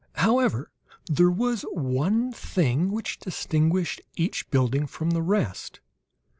However, there was one thing which distinguished each building from the rest.